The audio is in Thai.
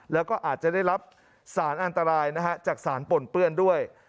แล้วก็อาจจะได้รับสารอันตรายนะฮะจากสารปนเปื้อนด้วย